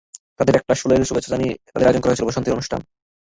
তাঁদের একরাশ ফুলেল শুভেচ্ছা জানিয়ে সেখানে আয়োজন করা হয়েছিল বসন্তের অনুষ্ঠান।